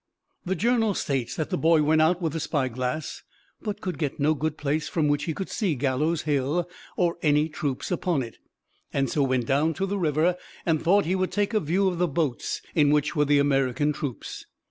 The journal states that the boy went out with the spyglass, but could get no good place from which he could see Gallows Hill, or any troops upon it, and so went down to the river, and thought he would take a view of the boats in which were the American troops.